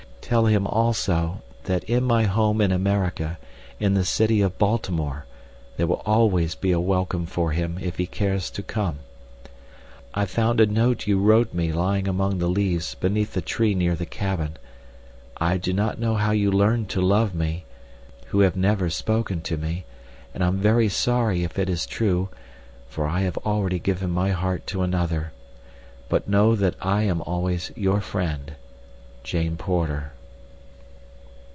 Tell him, also, that in my home in America, in the city of Baltimore, there will always be a welcome for him if he cares to come. I found a note you wrote me lying among the leaves beneath a tree near the cabin. I do not know how you learned to love me, who have never spoken to me, and I am very sorry if it is true, for I have already given my heart to another. But know that I am always your friend, JANE PORTER.